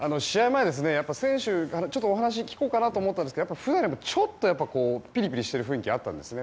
前、選手にお話を聞こうかなと思ったんですが普段よりちょっとピリピリしている雰囲気があったんですね。